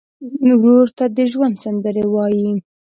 ورور ته د ژوند سندرې وایې.